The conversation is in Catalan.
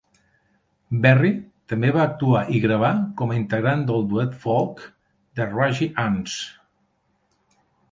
Berri també va actuar i gravar com a integrant del duet folk "The Raggy Anns".